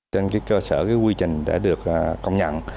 trên cơ sở quy trình đã được công nhận